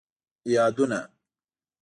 یادونه